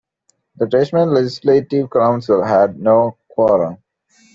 The Tasmanian Legislative Council had no quorum.